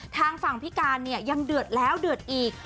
ทางฝั่งพิการเนี่ยยังเดือดแล้วเดือดอีก